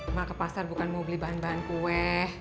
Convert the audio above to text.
emak ke pasar bukan mau beli bahan bahan kue